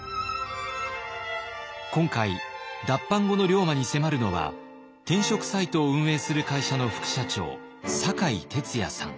今回脱藩後の龍馬に迫るのは転職サイトを運営する会社の副社長酒井哲也さん。